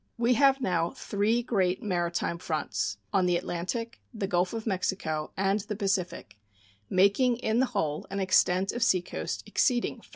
We have now three great maritime fronts on the Atlantic, the Gulf of Mexico, and the Pacific making in the whole an extent of seacoast exceeding 5,000 miles.